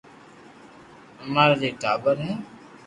امارآ ڇي ٽاٻر ھي